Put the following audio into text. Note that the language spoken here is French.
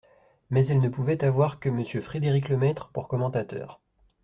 Mais elle ne pouvait avoir que Monsieur Frédérick-Lemaitre pour commentateur.